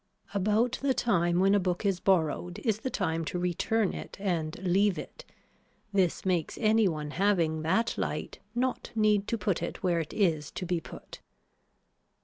About the time when a book is borrowed is the time to return it and leave it. This makes any one having that light not need to put it where it is to be put.